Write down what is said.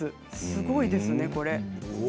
すごいですね、これ。